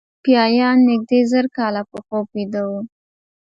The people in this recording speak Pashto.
ایتوپیایان نږدې زر کاله په خوب ویده وو.